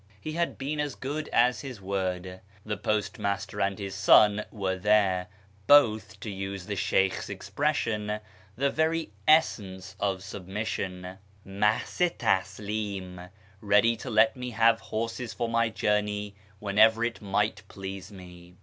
He had been as good as his word : the post master and his son were there, both, to use the Sheykh's ex pression, " the very essence of submission " {mahz i taslim), ready to let me have horses for my journey whenever it might please me.